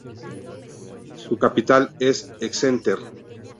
Su capital es Exeter.